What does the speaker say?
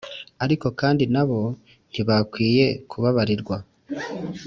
Ariko kandi na bo ntibakwiye kubabarirwa,